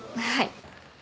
はい。